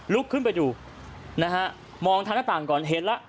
ลุกขึ้นไปดูนะฮะมองทางหน้าต่างก่อนเห็นแล้ว